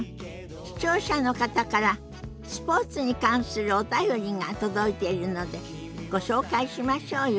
視聴者の方からスポーツに関するお便りが届いているのでご紹介しましょうよ。